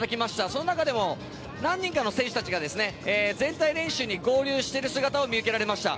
その中でも何人かの選手たちが全体練習に合流している姿が見受けられました。